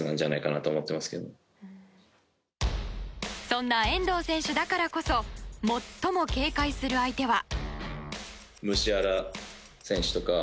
そんな遠藤選手だからこそ最も警戒する相手は。